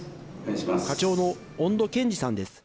課長の穏土健司さんです。